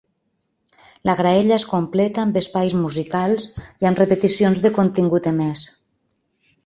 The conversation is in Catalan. La graella es completa amb espais musicals i amb repeticions de contingut emès.